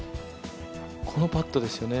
このパットですよね。